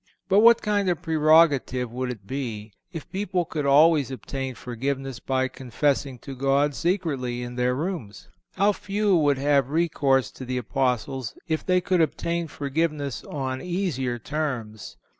But what kind of prerogative would it be if people could always obtain forgiveness by confessing to God secretly in their rooms? How few would have recourse to the Apostles if they could obtain forgiveness on easier terms!